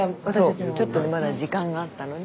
ちょっとねまだ時間があったので。